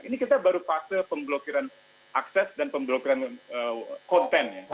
ini kita baru fase pemblokiran akses dan pemblokiran konten ya